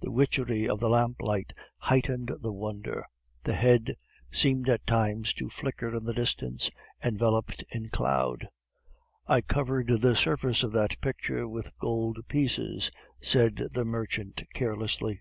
The witchery of the lamplight heightened the wonder; the head seemed at times to flicker in the distance, enveloped in cloud. "I covered the surface of that picture with gold pieces," said the merchant carelessly.